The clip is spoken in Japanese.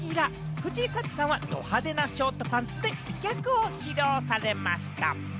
藤井サチさんはド派手なショートパンツで美脚を披露されました。